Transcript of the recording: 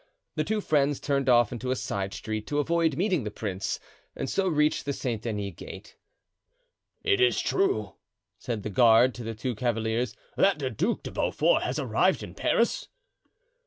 The two friends turned off into a side street to avoid meeting the prince, and so reached the Saint Denis gate. "Is it true," said the guard to the two cavaliers, "that the Duc de Beaufort has arrived in Paris?"